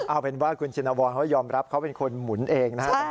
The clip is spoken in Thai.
เอาเป็นว่าคุณชินวรเขายอมรับเขาเป็นคนหมุนเองนะครับ